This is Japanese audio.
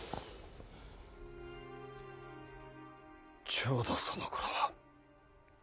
ちょうどそのころ